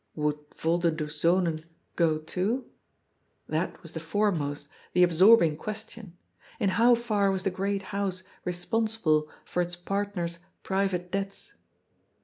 Would Volderdoes Zonen go too ? That was the fore most, the absorbing question. In how far was the great house responsible for its partner's private debts